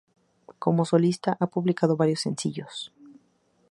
Como solista, ha publicado varios sencillos.